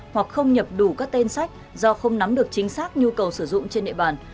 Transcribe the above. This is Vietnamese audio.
hoặc không nhập đủ các tên sách do không nắm được chính xác nhu cầu sử dụng trên địa bàn